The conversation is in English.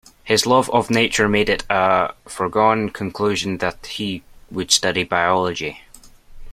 His love of nature made it a foregone conclusion that he would study biology